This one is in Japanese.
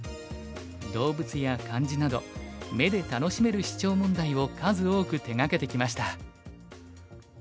動物や漢字など目で楽しめるシチョウ問題を数多く手がけてきました。